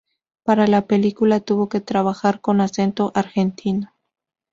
Para la película tuvo que trabajar con acento argentino.